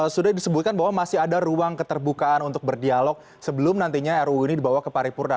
sudah disebutkan bahwa masih ada ruang keterbukaan untuk berdialog sebelum nantinya ruu ini dibawa ke paripurna